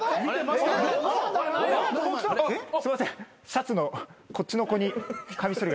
すいませんシャツのこっちの子にカミソリが。